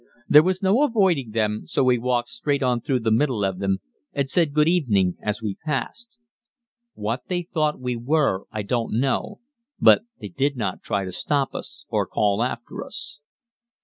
There was no avoiding them, so we walked straight on through the middle of them, and said good evening as we passed. What they thought we were I don't know, but they did not try to stop us or call after us.